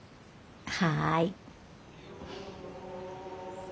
はい。